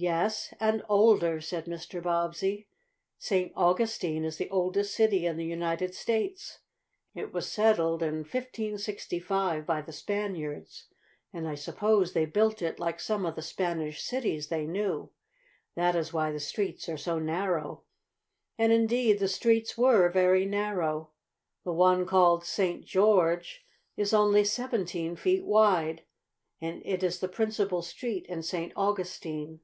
"Yes, and older," said Mr. Bobbsey. "St. Augustine is the oldest city in the United States. It was settled in 1565 by the Spaniards, and I suppose they built it like some of the Spanish cities they knew. That is why the streets are so narrow." And indeed the streets were very narrow. The one called St. George is only seventeen feet wide, and it is the principal street in St. Augustine.